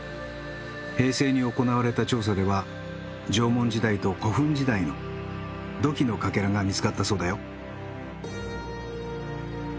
平成に行われた調査では縄文時代と古墳時代の土器のかけらが見つかったそうだよ。